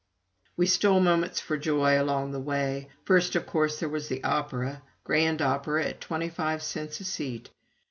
We stole moments for joy along the way. First, of course, there was the opera grand opera at twenty five cents a seat.